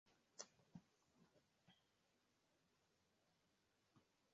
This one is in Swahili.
ya nchi hiyo katika majimbo manne na miji mitatu mikubwa